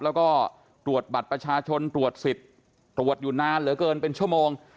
แล้วก็ตรวจบัตรประชาชนตรวจสิทธิ์ตรวจอยู่นานเหลือเกินเป็นชั่วโมง